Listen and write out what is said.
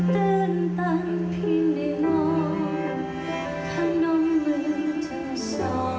มองเพราะผู้ทรงเป็นตาเฝ้าดูแลประชา